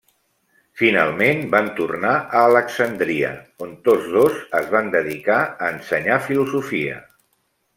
Finalment, van tornar a Alexandria, on tots dos es van dedicar a ensenyar filosofia.